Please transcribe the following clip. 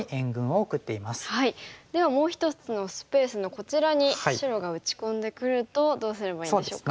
ではもう一つのスペースのこちらに白が打ち込んでくるとどうすればいいでしょうか。